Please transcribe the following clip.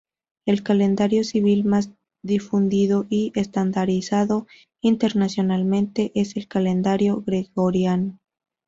El calendario civil más difundido y estandarizado internacionalmente es el calendario gregoriano.